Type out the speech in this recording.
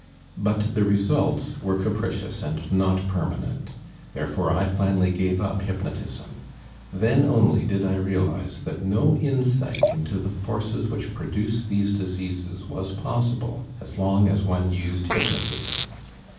But the results were capricious and not permanent; therefore I finally gave up hypnotism. Then only did I realize that no insight into the forces which produce these diseases was possible as long as one used hypnotism.